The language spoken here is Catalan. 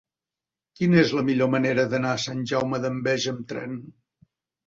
Quina és la millor manera d'anar a Sant Jaume d'Enveja amb tren?